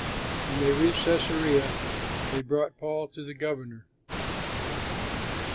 When they reached Cæsarea they brought Paul to the governor.